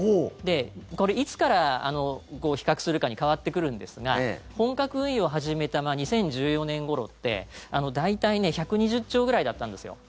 これ、いつから比較するかに変わってくるんですが本格運用を始めた２０１４年ごろって大体１２０兆ぐらいだったんですよ。